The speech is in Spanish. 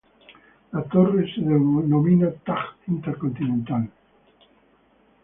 La Torre se denomina Taj Intercontinental.